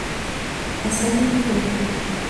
A sangre y fuego.